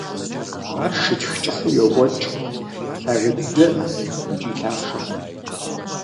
Ар шытх кӀыхьу йокӀуэкӀ, лъагэ дыдэкъым икӀи лъахъшэкъым.